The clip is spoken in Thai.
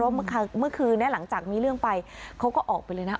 เมื่อคืนนี้หลังจากมีเรื่องไปเขาก็ออกไปเลยนะ